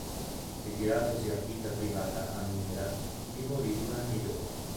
Ritiratosi a vita privata a Mira, vi morì due anni dopo.